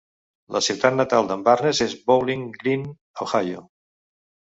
La ciutat natal d'en Barnes és Bowling Green, Ohio.